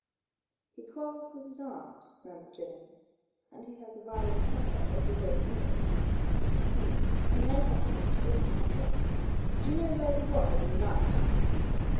"He quarrelled with his aunt," murmured Jennings, "and he has a violent temper, as we both knew. Humph! He may have something to do with the matter. Do you know where he was on that night?"